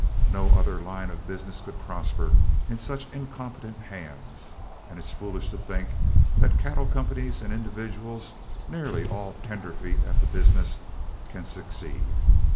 No other line of business could prosper in such incompetent hands, and it's foolish to think that cattle companies and individuals, nearly all tenderfeet at the business, can succeed.